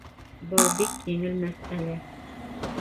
Был бик еңел мәсьәлә